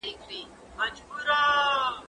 زه پرون د کتابتون د کار مرسته کوم؟!